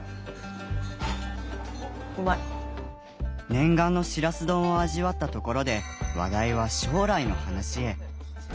念願のしらす丼を味わったところで話題は将来の話へ。